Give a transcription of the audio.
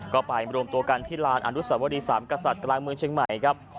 ก็ไปรวมตัวกันที่ลานอนุสวรีสามกษัตริย์กลางเมืองเชียงใหม่ครับ